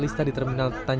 dia sudah berdarah